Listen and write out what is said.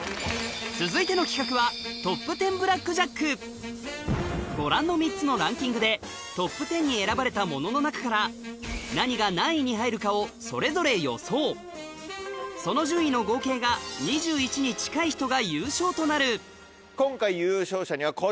続いての企画はご覧の３つのランキングでトップ１０に選ばれたものの中からその順位の合計が２１に近い人が優勝となる今回。